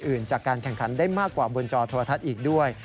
อื่นจากการแข่งขันได้มากกว่าบนจอโทรทัศน์อีกด้วย